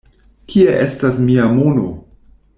Kie estas mia mono?